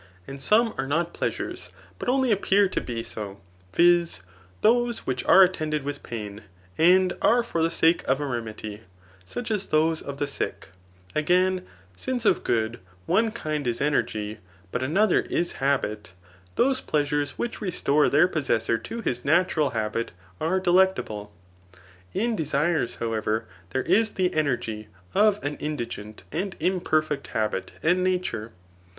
And some are not pleasures, but only appear to be so, viz, those which are attended with pain, and are fer the sake of a remedy, such as those of the ^ck*. Again, since of good one kind is energy, but another is babit, those pleasures^ which restore their possessor to his Batural hal^ are delectable*. In desires, hot^rever, there 16 Ae energy of ^mruufigent ^md imperfect habit andf nature.